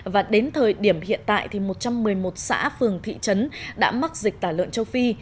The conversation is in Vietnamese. và đến thời điểm hiện tại thì một trăm một mươi một xã phường thị trấn đã mắc dịch tả lợn châu phi